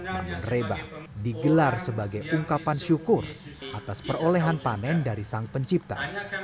namun reba digelar sebagai ungkapan syukur atas perolehan panen dari sang pencipta